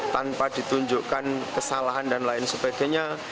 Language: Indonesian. tanpa ditunjukkan kesalahan dan lain sebagainya